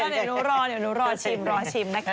เดี๋ยวหนูรอชิมนะคะ